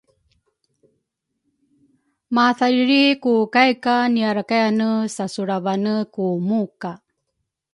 mathariri ku kai ka niarakayyane sasulravane ku muka.